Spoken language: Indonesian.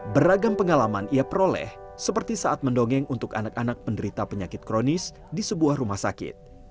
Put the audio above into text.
beragam pengalaman ia peroleh seperti saat mendongeng untuk anak anak penderita penyakit kronis di sebuah rumah sakit